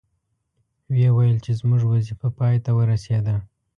وې ویل چې زموږ وظیفه پای ته ورسیده.